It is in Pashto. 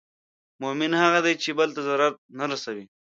مؤمن هغه دی چې بل ته ضرر نه رسوي.